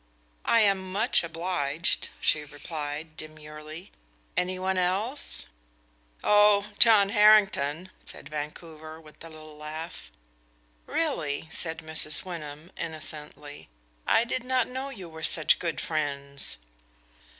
"I am much obliged," she replied, demurely. "Any one else?" "Oh John Harrington," said Vancouver with a little laugh. "Really?" said Mrs. Wyndham, innocently; "I did not know you were such good friends."